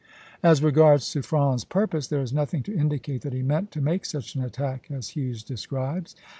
As regards Suffren's purpose, there is nothing to indicate that he meant to make such an attack as Hughes describes.